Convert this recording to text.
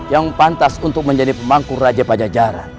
yang pantas untuk menjadi pemangku raja pajajaran